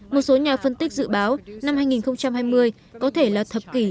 một số nhà phân tích dự báo năm hai nghìn hai mươi có thể là thập kỷ